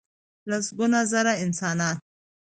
لسګونه زره انسانان .